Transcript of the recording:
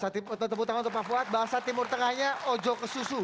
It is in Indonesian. saya tepuk tangan untuk pak fuad bahasa timur tengahnya ojo ke susu